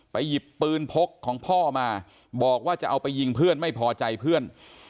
หยิบปืนพกของพ่อมาบอกว่าจะเอาไปยิงเพื่อนไม่พอใจเพื่อน